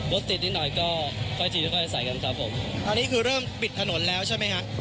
รถติดนิดหน่อยก็ค่อยทีค่อยใส่กันครับผมตอนนี้คือเริ่มปิดถนนแล้วใช่ไหมฮะ